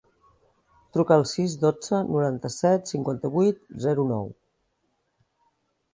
Truca al sis, dotze, noranta-set, cinquanta-vuit, zero, nou.